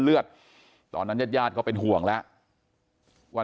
กลุ่มตัวเชียงใหม่